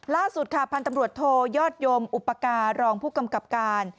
ล่าสุดค่ะพันธ์ตำรวจโทยอดยมอุปการรองผู้กำกับการ